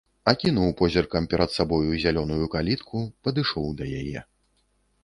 Акінуў позіркам перад сабою зялёную калітку, падышоў да яе.